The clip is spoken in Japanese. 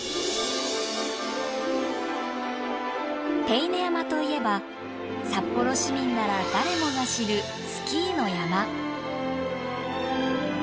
手稲山といえば札幌市民なら誰もが知るスキーの山。